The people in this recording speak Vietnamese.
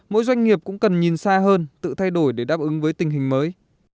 mỗi doanh nghiệp cũng cần nhìn xa hơn tự thay đổi để đáp ứng với tình hình mới